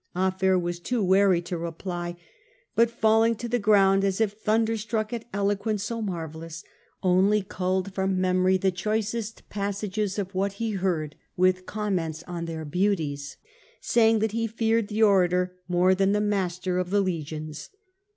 Afer was too wary to reply, but falling to the ground as if thunder struck at eloquence so marvellous, only culled from memory the choicest passages of what he heard with comments on their beauties, saying that he feared the orator more than the master of the legions.